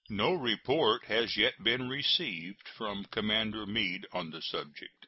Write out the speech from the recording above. No report has yet been received from Commander Meade on the subject.